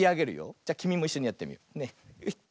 じゃあきみもいっしょにやってみよう。